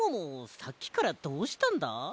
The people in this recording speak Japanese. さっきからどうしたんだ？